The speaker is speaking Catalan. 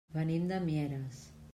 Venim de Mieres.